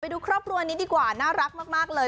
ดูครอบครัวนี้ดีกว่าน่ารักมากเลย